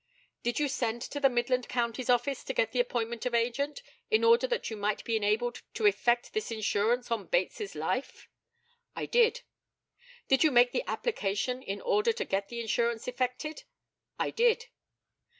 Did you send to the Midland Counties Office to get the appointment of agent, in order that you might be enabled to effect this insurance on Bates's life? I did. Did you make the application in order to get the insurance effected? I did.